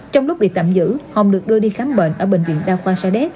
trong lúc bị tạm giữ hồng được đưa đi khám bệnh ở bệnh viện đa khoa sa đéc